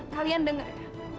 kalian denger ya